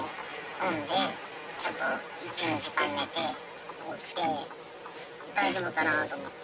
飲んでちょっと１、２時間寝て、起きて、大丈夫かなと思って。